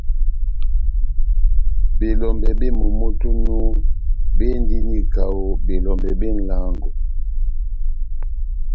Belɔmbɛ bep momó tɛ́h onu béndini kaho belɔmbɛ bé nʼlángo.